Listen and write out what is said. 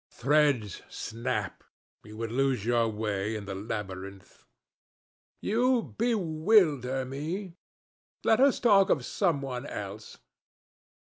"Threads snap. You would lose your way in the labyrinth." "You bewilder me. Let us talk of some one else."